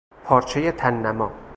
پارچهی تننما